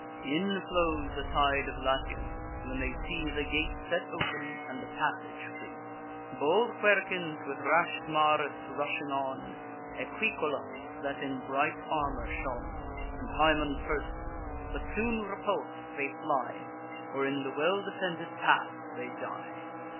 In flows a tide of Latians, when they see The gate set open, and the passage free; Bold Quercens, with rash Tmarus, rushing on, Equicolus, that in bright armour shone, And Haemon first; but soon repuls'd they fly, Or in the well defended pass they die.